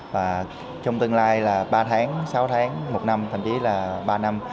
và trong tương lai là ba tháng sáu tháng một năm thậm chí là ba năm